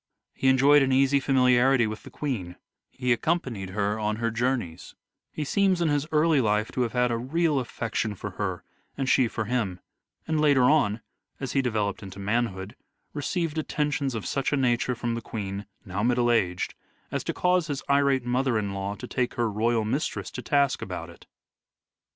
He enjoyed an easy familiarity with the Queen ; he accompanied her on her journeys ; he seems in his early life to have had a real affection for her and she for him ; and, later on, as he developed into manhood, received attentions of such a nature from the Queen, now middle aged, as to cause his irate mother in law to take her royal mistress to task about it.